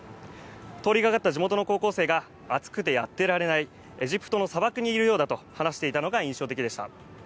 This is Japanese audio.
通りがかった地元の高校生が暑くてやってられない、エジプトの砂漠にいるようだと話していたのが印象的でした。